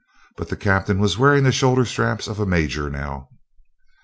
But the captain was wearing the shoulder straps of a major now.